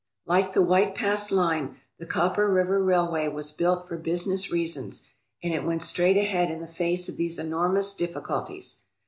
Like the White Pass line, the Copper River Railway was built for business reasons and it went straight ahead in the face of these enormous difficulties.